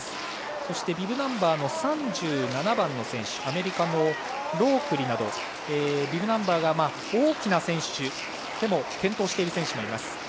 そして、ビブナンバー３７番のアメリカのロークリなどビブナンバーが大きな選手でも健闘している選手がいます。